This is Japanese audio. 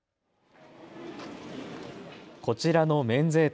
こちらの免税店。